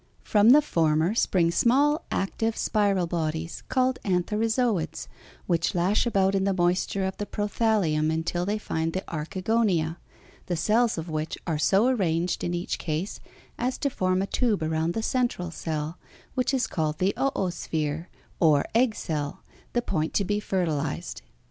From the former spring small, active, spiral bodies called ántherozòids, which lash about in the moisture of the prothállium until they find the archegònia, the cells of which are so arranged in each case as to form a tube around the central cell, which is called the òösphere, or egg cell, the point to be fertilized.